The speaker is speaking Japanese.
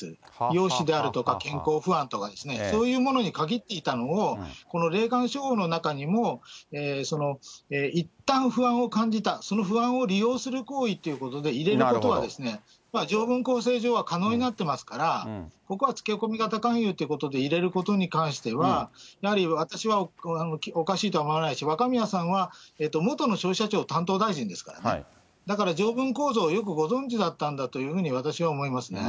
容姿であるとか、健康不安とかですね、そういうものに限っていたのを、この霊感商法の中にも、いったん不安を感じた、その不安を利用する行為っていうことで入れることは、条文構成上は可能になってますから、ここはつけ込み型勧誘ってことで入れることに関しては、やはり私は、おかしいとは思わないし、若宮さんは元の消費者庁担当大臣ですからね、だから条文構造をよくご存じだったんだというふうに、私は思いますね。